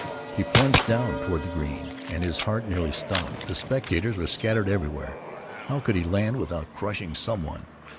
He plunged down toward the Green—and his heart nearly stopped. The spectators were scattered everywhere. How could he land without crushing some one?